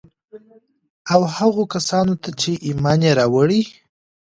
او هغو کسان ته چي ايمان ئې راوړى